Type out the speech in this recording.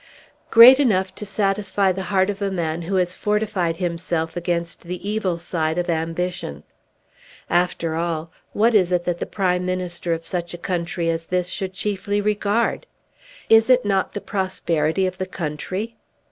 "Great enough to satisfy the heart of a man who has fortified himself against the evil side of ambition. After all, what is it that the Prime Minister of such a country as this should chiefly regard? Is it not the prosperity of the country?